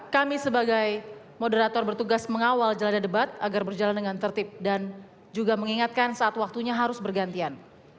kami sebagai moderator bertugas mengawal jalannya debat agar berjalan dengan tertib dan juga mengingatkan saat waktunya harus bergantian